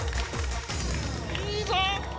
いいぞ。